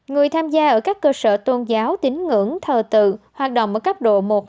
người tham gia ở các cơ sở tôn giáo tín ngưỡng thờ tự hoạt động ở cấp độ một